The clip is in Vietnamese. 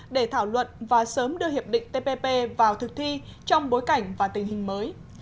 để thảo luận và sớm đưa hiệp định tpp vào thực thi trong bối cảnh và tình hình mới